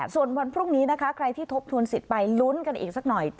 ส่วนวันพรุ่งนี้นะคะใครที่ทบทวนสิทธิ์ไปลุ้นกันอีกสักหน่อย